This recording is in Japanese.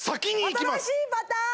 新しいパターン！